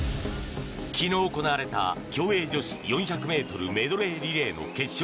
昨日行われた競泳女子４００ｍメドレーリレーの決勝。